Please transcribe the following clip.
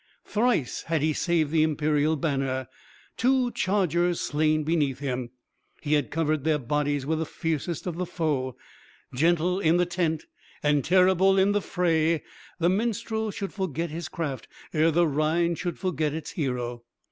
Thrice had he saved the imperial banner; two chargers slain beneath him, he had covered their bodies with the fiercest of the foe. Gentle in the tent and terrible in the fray, the minstrel should forget his craft ere the Rhine should forget its hero.